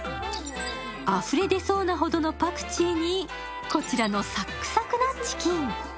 あふれ出そうなほどのパクチーにこちらのサックサクなチキン。